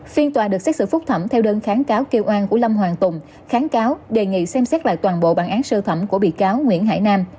phiên tòa được xét xử phúc thẩm theo đơn kháng cáo kêu an của lâm hoàng tùng kháng cáo đề nghị xem xét lại toàn bộ bản án sơ thẩm của bị cáo nguyễn hải nam